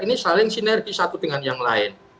ini saling sinergi satu dengan yang lain